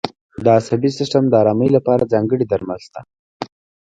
د عصبي سیستم د آرامۍ لپاره ځانګړي درمل شته.